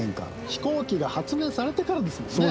飛行機が発明されてからですもんね。